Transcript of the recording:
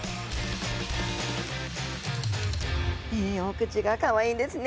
お口がかわいいんですね。